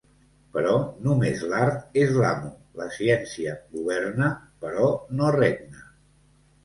Però només l'art és l'amo, la ciència governa però no regna.